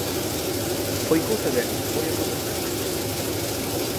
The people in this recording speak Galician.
Foi cousa dela, moi ao meu pesar.